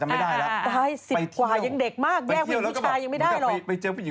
แม่มาเขาประตูห้อง